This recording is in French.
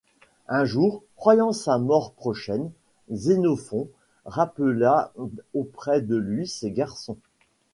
Un jour, croyant sa mort prochaine, Xénophon rappela auprès de lui ses garçons.